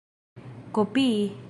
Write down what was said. kopii